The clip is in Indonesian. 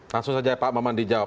langsung saja pak mamandri jawab